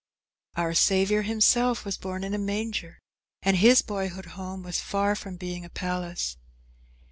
Our Saviour himself was born in a manger, and his boyhood home was far from being a palace.